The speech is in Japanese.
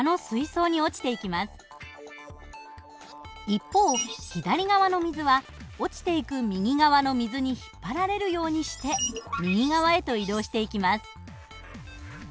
一方左側の水は落ちていく右側の水に引っ張られるようにして右側へと移動していきます。